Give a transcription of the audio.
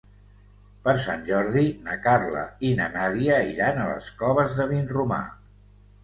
Per Sant Jordi na Carla i na Nàdia iran a les Coves de Vinromà.